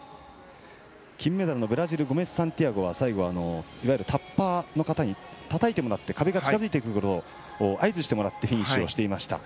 金メダルのブラジルゴメスサンティアゴは最後はいわゆるタッパーの方にたたいてもらって壁が近づいてくることを合図してもらってフィニッシュをしていました。